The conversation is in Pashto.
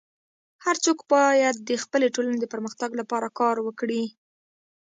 هر څوک باید د خپلي ټولني د پرمختګ لپاره کار وکړي.